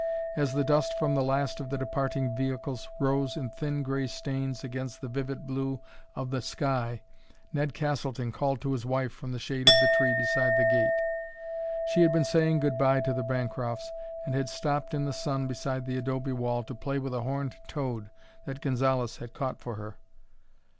As the dust from the last of the departing vehicles rose in thin gray stains against the vivid blue of the sky Ned Castleton called to his wife from the shade of the tree beside the gate. She had been saying good bye to the Bancrofts and had stopped in the sun beside the adobe wall to play with a horned toad that Gonzalez had caught for her.